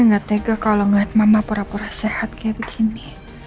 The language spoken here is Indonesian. gue gak tega kalo ngeliat mama pura pura sehat kayak begini